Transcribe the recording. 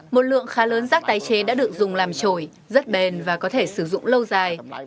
một lượng khá lớn rác tái chế đã được dùng làm trội rất bền và có thể sử dụng lâu dài